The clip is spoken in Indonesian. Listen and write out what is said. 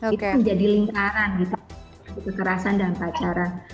itu menjadi lingkaran gitu kekerasan dan pacaran